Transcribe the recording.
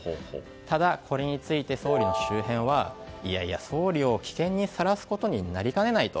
ただ、これについて総理の周辺はいやいや、総理を危険にさらすことになりかねないと。